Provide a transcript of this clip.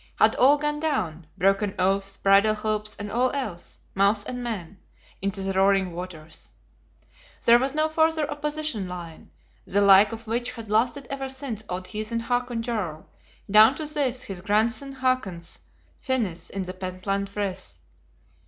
Had all gone down, broken oaths, bridal hopes, and all else; mouse and man, into the roaring waters. There was no farther Opposition line; the like of which had lasted ever since old heathen Hakon Jarl, down to this his grandson Hakon's finis in the Pentland Frith.